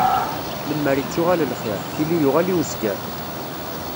Lemmer ittuɣal lxiṛ, tili yuɣal i uzger.